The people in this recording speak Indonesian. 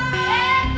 terima kasih bu